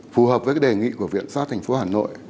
phù hợp với đề nghị của viện sát thành phố hà nội